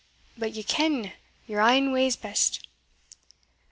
But ye ken yere ain ways best."